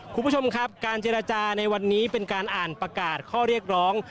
คุณผู้ชมครับการเจรจาในวันนี้เป็นการอ่านประกาศข้อเรียกร้อง